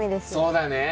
そうだね。